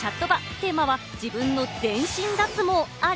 テーマは自分の全身脱毛あり？